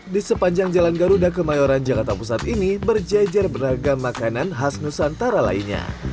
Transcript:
di sepanjang jalan garuda kemayoran jakarta pusat ini berjejer beragam makanan khas nusantara lainnya